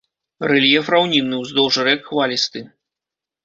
Рэльеф раўнінны, уздоўж рэк хвалісты.